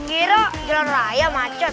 kira jalan raya macet